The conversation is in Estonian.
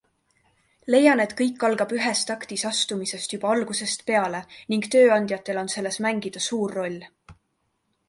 Leian, et kõik algab ühes taktis astumisest juba algusest peale ning tööandjatel on selles mängida suur roll.